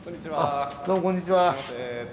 どうもこんにちは。